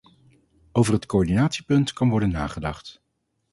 Over het coördinatiepunt kan worden nagedacht.